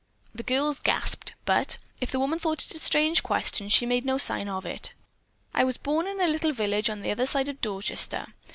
The girls gasped, but, if the woman thought it a strange question, she made no sign of it. "I was born in a little village on the other side of Dorchester.